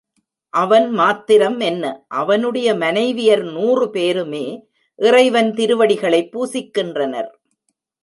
அவன் மாத்திரம் என்ன அவனுடைய மனைவியர் நூறு பேருமே இறைவன் திருவடிகளைப் பூசிக்கின்றனர்.